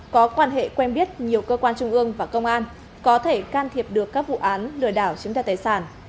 có quan hệ quen biết nhiều cơ quan trung ương và công an có thể can thiệp được các vụ án lừa đảo chiếm đoạt tài sản